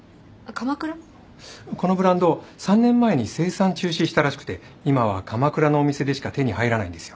このブランド３年前に生産中止したらしくて今は鎌倉のお店でしか手に入らないんですよ。